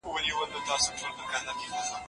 د وریښتانو خریل اغیزه نه لري.